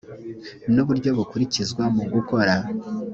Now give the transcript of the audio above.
n uburyo bukurikizwa mu gukora